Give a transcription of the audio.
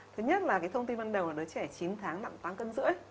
thứ nhất là thông tin ban đầu là đứa trẻ chín tháng nặng tám năm kg